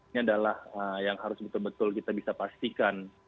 ini adalah yang harus betul betul kita bisa pastikan